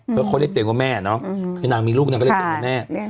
เพราะเขาได้เต็มกว่าแม่เนอะคือนางมีลูกนางก็ได้เต็มกว่าแม่